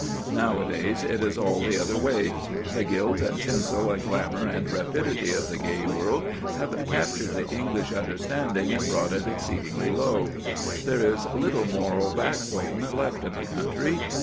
Nowadays it is all the other way: the gilt and tinsel and glamour and rapidity of the gay world have captured the English understanding and brought it exceeding low. There is little moral backbone left in the country.